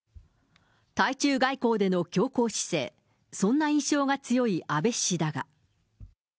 対中外交での強硬姿勢、そんな印象が強い安倍氏だが。